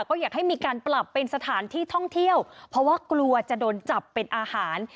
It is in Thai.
ก็อยากให้มีการปรับเป็นสถานที่ท่องเที่ยวเพราะว่ากลัวจะโดนจับเป็นอาหาร